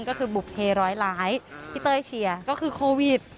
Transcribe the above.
ก็คือบุภเทร้อยล้านที่เต้ยเชียร์ก็คือโควิด